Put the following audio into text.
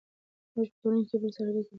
موږ په ټولنه کې یو بل سره اړیکې لرو.